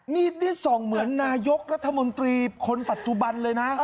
นี่ได้ส่องเหมือนนายกรัฐมนตรีคนปัจจุบันเลยนะ